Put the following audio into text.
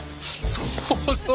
そうそう！